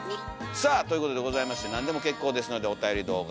さあということでございまして何でも結構ですのでおたより動画